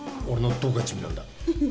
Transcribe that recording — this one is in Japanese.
俺のどこが地味なんだ？